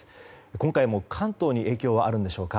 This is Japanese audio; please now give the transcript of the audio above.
今回も関東に影響はあるんでしょうか。